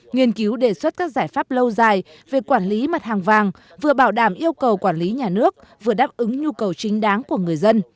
nghiên cứu đề xuất các giải pháp lâu dài về quản lý mặt hàng vàng vừa bảo đảm yêu cầu quản lý nhà nước vừa đáp ứng nhu cầu chính đáng của người dân